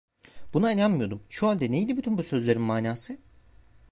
Buna inanmıyordum; şu halde neydi bütün bu sözlerin manası?